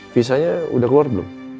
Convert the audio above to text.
visanya udah keluar belum